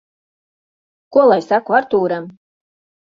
Ko lai saku Artūram?